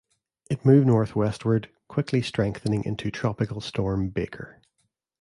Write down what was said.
It moved northwestward, quickly strengthening into Tropical Storm Baker.